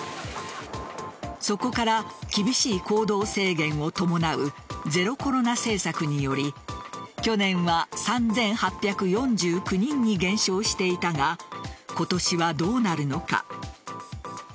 そこから厳しい行動制限を伴うゼロコロナ政策により去年は３８４９人に減少していたが今年はどうなるのか。